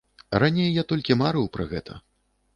Раней я толькі марыў пра гэта.